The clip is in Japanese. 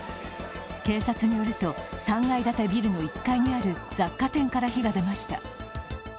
警察によると、３階建てビルの１階にある雑貨店から火が出ました。